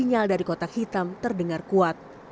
namun pencarian dari kotak hitam terdengar kuat